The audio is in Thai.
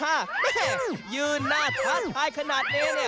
เฮ่ยยืนหน้าทักทายขนาดนี้